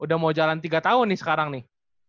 udah mau jalan tiga tahun nih sekarang nih